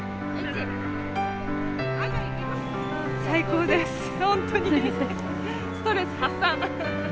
最高です